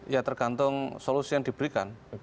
ya tergantung solusi yang diberikan